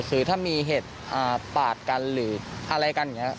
คือถ้ามีเหตุปาดกันหรืออะไรกันอย่างนี้